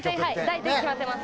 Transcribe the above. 大体決まってます。